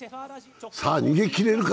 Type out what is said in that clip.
さあ、逃げ切れるか？